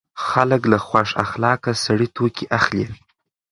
خلک له خوش اخلاقه سړي توکي اخلي.